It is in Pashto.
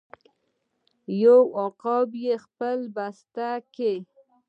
یو عقاب یې خپلې بسته کې